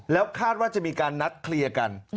แล้วคาดว่าจะมีการนัดเคลียร์กัน